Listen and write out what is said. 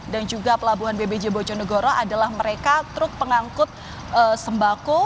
dan juga pelabuhan bbj bojonegoro adalah mereka truk pengangkut sembako